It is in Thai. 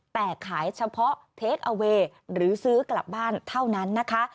แต่ขายเฉพาะเทคอเวย์หรือซื้อกลับบ้านเท่านั้นนะคะ